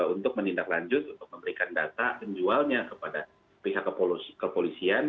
untuk menindaklanjut untuk memberikan data penjualnya kepada pihak kepolisian